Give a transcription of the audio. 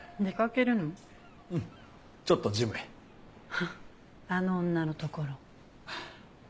フッあの女のところ？